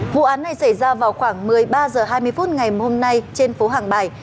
vụ án này xảy ra vào khoảng một mươi ba h hai mươi phút ngày hôm nay trên phố hàng bài